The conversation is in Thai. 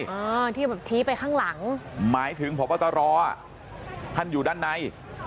อ่าที่แบบชี้ไปข้างหลังหมายถึงพบตรอ่ะท่านอยู่ด้านใน